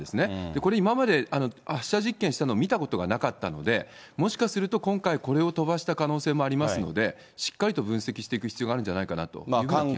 これ、今まで発射実験したの見たことがなかったので、もしかすると今回、これを飛ばした可能性もありますので、しっかりと分析していく必要があるんじゃないかという気がいたし